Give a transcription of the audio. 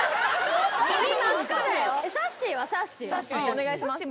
お願いします。